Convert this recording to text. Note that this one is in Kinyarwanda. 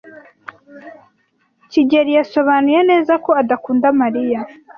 kigeli yasobanuye neza ko adakunda Mariya.